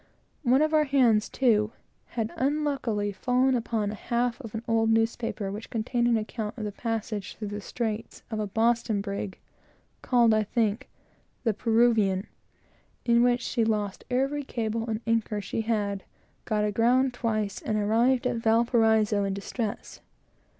One of our hands, too, had unluckily fallen upon a half of an old newspaper which contained an account of the passage, through the straits, of a Boston brig, called, I think, the Peruvian, in which she lost every cable and anchor she had, got aground twice, and arrived at Valparaiso in distress.